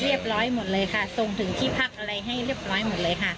เรียบร้อยหมดเลยค่ะส่งถึงที่พักอะไรให้เรียบร้อยหมดเลยค่ะ